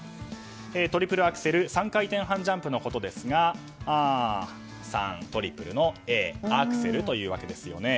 トリプルアクセル３回転半ジャンプのことですが３、トリプルのＡ、アクセルということですよね。